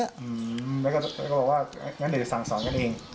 แล้วก็บอกว่างั้นเดี๋ยวสั่งสอนกันเอง